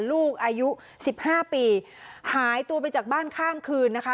ลูกอายุสิบห้าปีหายตัวไปจากบ้านข้ามคืนนะคะ